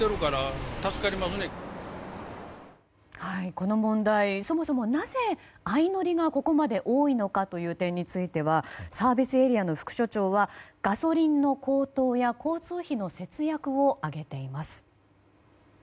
この問題、そもそもなぜ相乗りがここまで多いのかという点についてはサービスエリアの副社長はガソリンの高騰や交通費の節約を挙げています。